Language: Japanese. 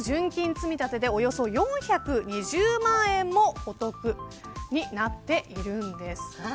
積立でおよそ４２０万円もお得になっているんです。